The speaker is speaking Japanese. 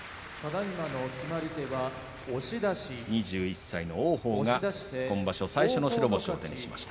２１歳の王鵬が今場所最初の白星を取りました。